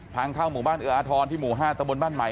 พังเข้าหมู่บ้านเอออาธรณ์ที่หมู่ห้าตระบวนบ้านใหม่